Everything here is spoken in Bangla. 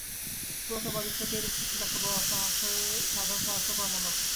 প্রতাপাদিত্যকে এরূপ চিঠি লেখা বড় সাধারণ সাহসের কর্ম নহে।